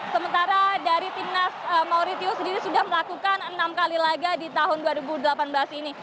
sementara dari timnas mauritius sendiri sudah melakukan enam kali laga di tahun dua ribu delapan belas ini